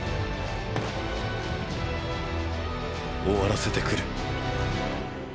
終わらせてくる。